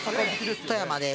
富山です。